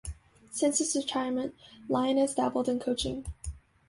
Since his retirement, Lyon has dabbled in coaching.